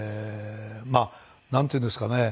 まあなんていうんですかね